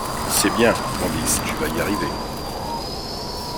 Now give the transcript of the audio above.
C’est bien, Candice, tu vas y arriver!